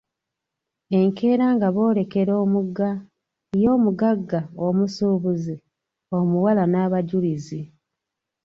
"Enkeera nga boolekera omugga; ye omugagga, omusuubuzi, omuwala n’abajulizi."